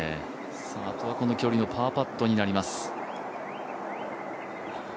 あとはこの距離のパーパットになります。